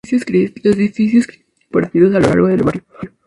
Los edificios cristianos están repartidos a lo largo del barrio.